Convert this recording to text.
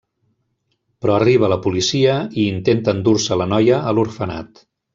Però arriba la policia i intenta endur-se la noia a l'orfenat.